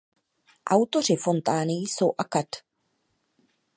Autoři fontány jsou akad.